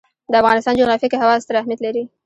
د افغانستان جغرافیه کې هوا ستر اهمیت لري.